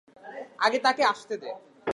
আগে তাকে আসতে দে।